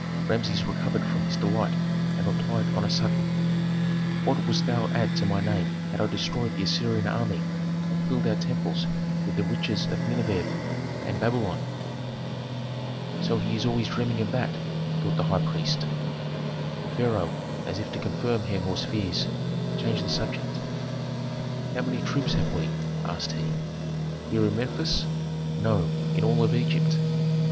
Rameses recovered from his delight and replied on a sudden, "What wouldst thou add to my name had I destroyed the Assyrian army and filled our temples with the riches of Nineveh and Babylon?" "So he is always dreaming of that?" thought the high priest. The pharaoh, as if to confirm Herhor's fears, changed the subject. "How many troops have we?" asked he. "Here in Memphis?" "No, in all Egypt."